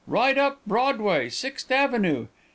'Right up Broadway, Sixth Avenue.'